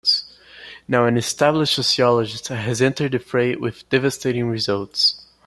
Now an established sociologist has entered the fray with devastating results.